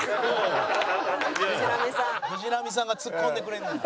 藤波さんがツッコんでくれんねや。